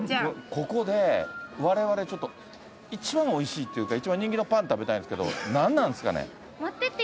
ここでわれわれちょっと一番おいしいっていうか一番人気のパン食べたいんですけど何なんですかね？